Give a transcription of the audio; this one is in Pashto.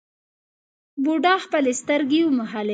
بوډا خپلې سترګې وموښلې.